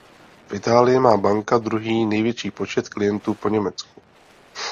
V Itálii má banka druhý největší počet klientů po Německu.